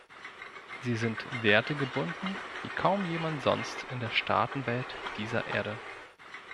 Sie sind wertegebunden wie kaum jemand sonst in der Staatenwelt dieser Erde.